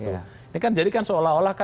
ini kan jadi kan seolah olah